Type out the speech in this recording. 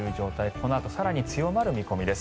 このあと更に強まる見込みです。